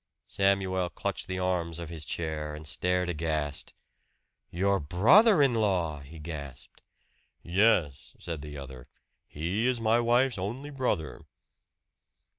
Samuel clutched the arms of his chair and stared aghast. "Your brother in law!" he gasped. "Yes," said the other. "He is my wife's only brother."